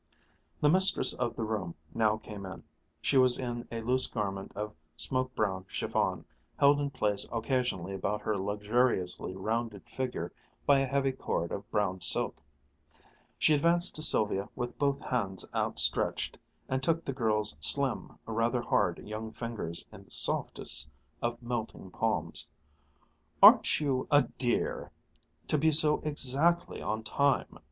The mistress of the room now came in. She was in a loose garment of smoke brown chiffon, held in place occasionally about her luxuriously rounded figure by a heavy cord of brown silk. She advanced to Sylvia with both hands outstretched, and took the girl's slim, rather hard young fingers in the softest of melting palms. "Aren't you a dear, to be so exactly on time!"